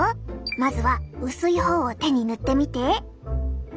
まずは薄いほうを手に塗ってみて！